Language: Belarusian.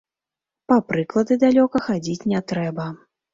Па прыклады далёка хадзіць не трэба.